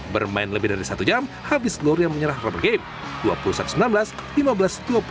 bermain lebih dari satu jam hafiz gloria menyerah rubber game